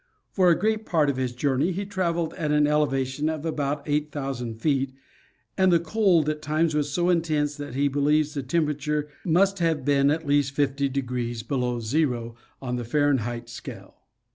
For a great part of his journey he traveled at an elevation of about eight thousand feet, and the cold at times was so intense that he believes the tem perature must have been at least 50° below zero on the Fahren heit scale.